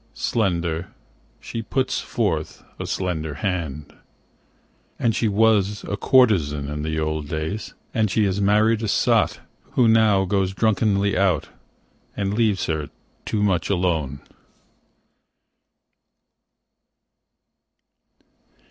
Slender, she puts forth a slender hand, And she was a courtezan in the old days, And she has married a sot, Who now goes drunkenly out And leaves her too much alone.